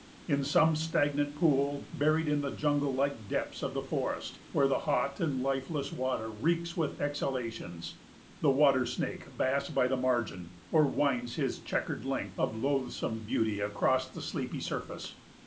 In some stagnant pool, buried in the jungle like depths of the forest, where the hot and lifeless water reeks with exhalations, the water snake basks by the margin, or winds his checkered length of loathsome beauty across the sleepy surface.